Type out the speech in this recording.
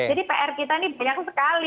jadi pr kita ini banyak sekali